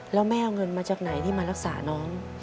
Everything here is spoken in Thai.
แล้วแม่เอาเงินมาจากไหนที่มารักษาน้อง